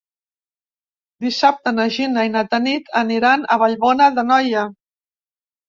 Dissabte na Gina i na Tanit aniran a Vallbona d'Anoia.